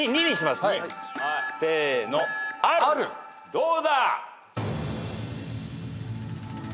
どうだ？